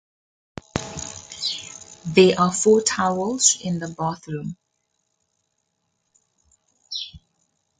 There are four towels in the bathroom.